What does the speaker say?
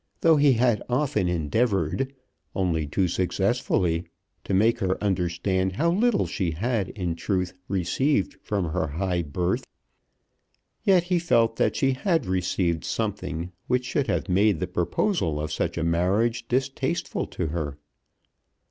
Though he had often endeavoured, only too successfully, to make her understand how little she had in truth received from her high birth, yet he felt that she had received something which should have made the proposal of such a marriage distasteful to her.